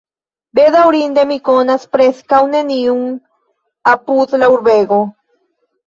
Bedaŭrinde, mi konas preskaŭ neniun apud la urbego.